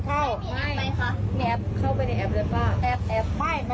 ก็จรรย์